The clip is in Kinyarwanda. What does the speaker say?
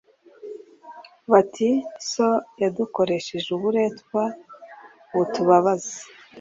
Bati “So yadukoresheje uburetwa butubabaza